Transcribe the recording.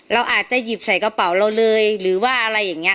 เราอาจจะหยิบใส่กระเป๋าเราเลยหรือว่าอะไรอย่างนี้